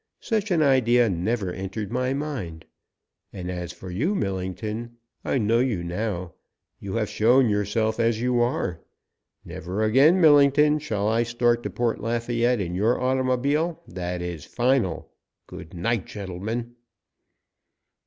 Such an idea never entered my mind. And as for you, Millington, I know you now. You have shown yourself as you are. Never again, Millington, shall I start to Port Lafayette in your automobile. That is final! Good night, gentlemen!"